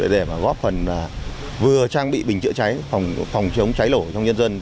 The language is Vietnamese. để góp phần vừa trang bị bình chữa cháy phòng chống cháy nổ trong nhân dân